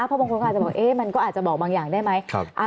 เพราะบางคนก็อาจจะบอกมันก็อาจจะบอกบางอย่างได้ไหม